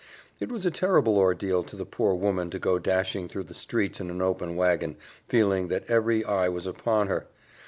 It was a terrible ordeal to the poor woman to go dashing through the streets in an open wagon, feeling that every eye was upon her.